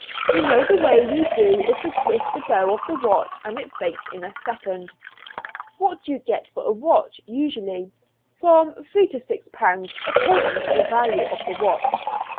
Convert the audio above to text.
You know the way we do is to twist the bow of the watch and it breaks in a second." "What do you get for a watch, usually?" "From three to six pounds, according to the value of the watch."